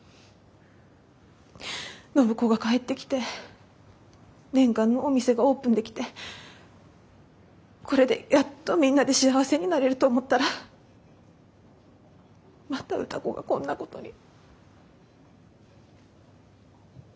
暢子が帰ってきて念願のお店がオープンできてこれでやっとみんなで幸せになれると思ったらまた歌子がこんなことに。